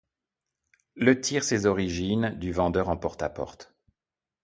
Le tire ses origines du vendeur en porte-à-porte.